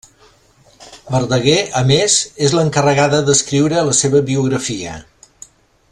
Verdaguer, a més, és l'encarregada d'escriure la seva biografia.